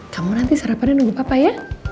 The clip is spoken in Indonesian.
kamu nanti sarapannya nunggu papa ya